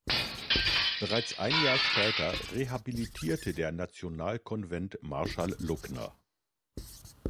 Bereits ein Jahr später rehabilitierte der Nationalkonvent Marschall Luckner.